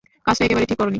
কাজটা একেবারেই ঠিক করোনি।